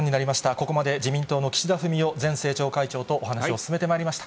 ここまで自民党の岸田文雄前政調会長とお話を進めてまいりました。